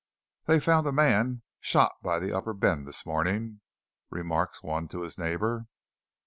"They found a man shot by the Upper Bend this morning," remarks one to his neighbour.